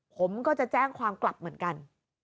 ผมก็จะแจ้งความกลับเหมือนกัน